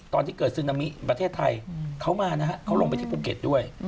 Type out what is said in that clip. ตอนที่เกิดซึนามิประเทศไทยเขามานะฮะเขาลงไปที่ภูเก็ตด้วย